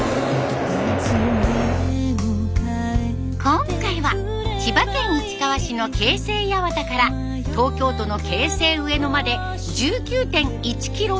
今回は千葉県市川市の京成八幡から東京都の京成上野まで１９．１キロの旅。